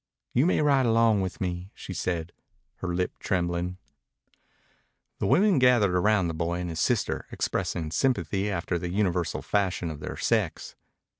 "You may ride along with me," she said, her lip trembling. The women gathered round the boy and his sister, expressing sympathy after the universal fashion of their sex.